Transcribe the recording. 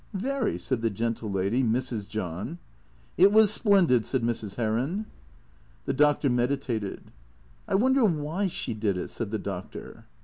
" "Very," said the gentle lady, Mrs. John. " It was splendid," said Mrs. Heron. THECREATOES 167 The Doctor meditated. " I wonder why she did it," said the Doctor.